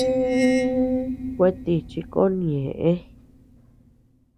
Kuetíchi kon ñeʼë.